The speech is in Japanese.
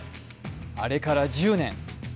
あれから１０年。